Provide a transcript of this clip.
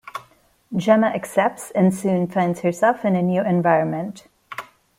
Gemma accepts and soon finds herself in a new environment.